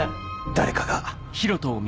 誰かが。